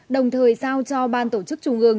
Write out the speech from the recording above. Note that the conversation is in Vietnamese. đồng thời giao cho ban tổ chức trung ương